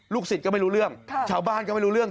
สิทธิ์ก็ไม่รู้เรื่องชาวบ้านก็ไม่รู้เรื่อง